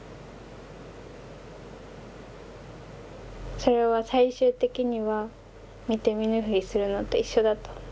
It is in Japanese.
それは最終的には見て見ぬふりするのと一緒だと思う。